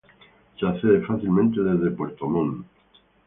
Se accede fácilmente desde Puerto Montt.